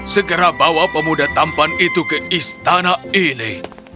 segera bawa pemuda tampan itu ke istana ini